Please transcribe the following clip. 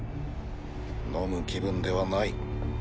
飲む気分ではない。